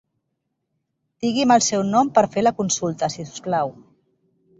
Digui'm el seu nom per fer la consulta si us plau.